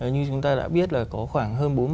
như chúng ta đã biết là có khoảng hơn